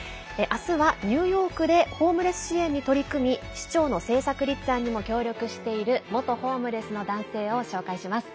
あすは、ニューヨークでホームレス支援に取り組み市長の政策立案にも協力している元ホームレスの男性を紹介します。